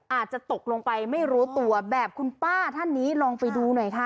อาจจะตกลงไปไม่รู้ตัวแบบคุณป้าท่านนี้ลองไปดูหน่อยค่ะ